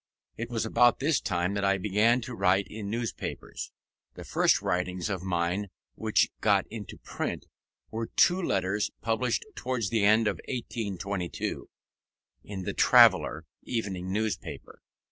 It was about this time that I began to write in newspapers. The first writings of mine which got into print were two letters published towards the end of 1822, in the Traveller evening newspaper.